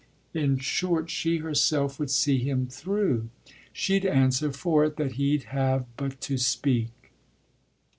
In short she herself would see him through she'd answer for it that he'd have but to speak.